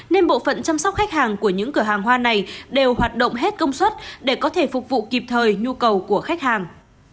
nên bộ phận chăm sóc khách hàng của những cửa hàng hoa này đều hoạt động hết công suất để có thể phục vụ kịp thời nhu cầu của khách hàng